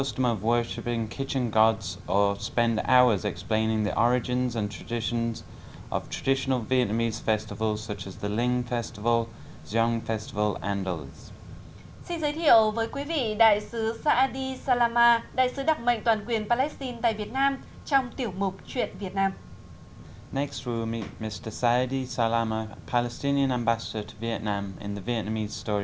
trong chương trình hôm nay chúng tôi muốn giới thiệu với quý vị một vị đại sứ con rể việt đã một mươi năm lần đón tết tại việt nam